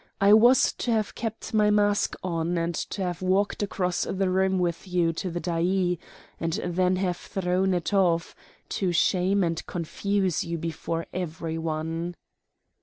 I was to have kept my mask on and to have walked across the room with you to the dais, and then have thrown it off, to shame and confuse you before every one."